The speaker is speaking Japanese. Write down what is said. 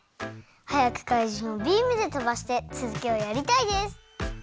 はやくかいじんをビームでとばしてつづきをやりたいです。